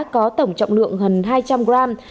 có tổng trọng lượng hơn hai trăm linh gram